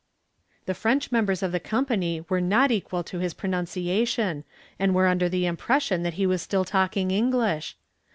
The French members of the company were not equal to his pronunciation and were under the impression that he was still talking English.